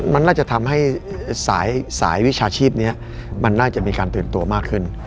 มันน่าจะทำให้สายวิชาชีพนี้มันน่าจะมีการตื่นตัวมากขึ้น